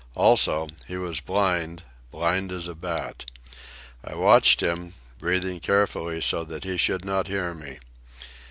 Also, he was blind, blind as a bat. I watched him, breathing carefully so that he should not hear me.